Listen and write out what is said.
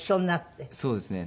そうですね。